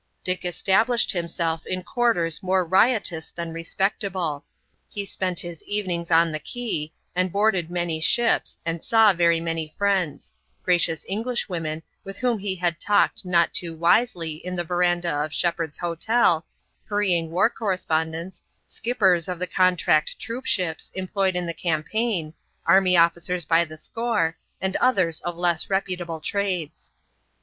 Dick established himself in quarters more riotous than respectable. He spent his evenings on the quay, and boarded many ships, and saw very many friends,—gracious Englishwomen with whom he had talked not too wisely in the veranda of Shepherd's Hotel, hurrying war correspondents, skippers of the contract troop ships employed in the campaign, army officers by the score, and others of less reputable trades.